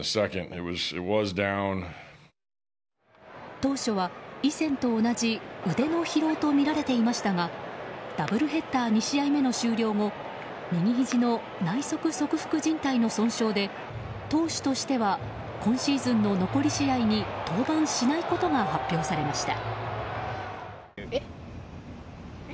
当初は以前と同じ腕の疲労とみられていましたがダブルヘッダー２試合目の終了後右ひじの内側側副じん帯の損傷で投手としては今シーズンの残り試合に登板しないことが発表されました。